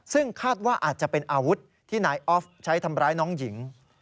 ซึ่งคาดว่าอาจจะเป็นอาวุธที่นายออฟใช้ทำร้ายน้องหญิง